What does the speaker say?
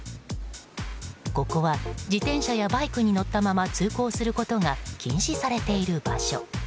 ここは自転車やバイクに乗ったまま通行することが禁止されている場所。